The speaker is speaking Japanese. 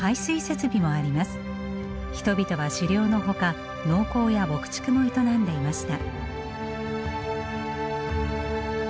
人々は狩猟のほか農耕や牧畜も営んでいました。